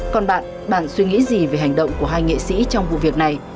còn bạn bạn suy nghĩ gì về hành động của hai nghệ sĩ trong vụ việc này